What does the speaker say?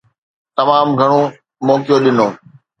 تمام گهڻو موقعو ڏنو.